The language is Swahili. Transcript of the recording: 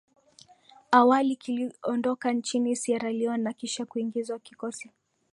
awali kiliondoka nchini Sierra Leon na kisha kuingizwa kikosi